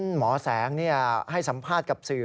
หมอแสงให้สัมภาษณ์กับสื่อ